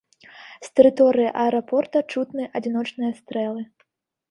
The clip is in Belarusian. З тэрыторыі аэрапорта чутны адзіночныя стрэлы.